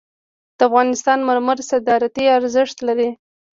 د افغانستان مرمر صادراتي ارزښت لري